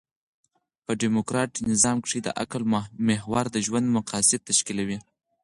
په ډيموکراټ نظام کښي د عقل محور د ژوند مقاصد تشکیلوي.